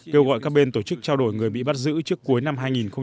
kêu gọi các bên tổ chức trao đổi người bị bắt giữ trước cuối năm hai nghìn một mươi chín